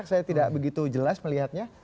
saya tidak begitu jelas melihatnya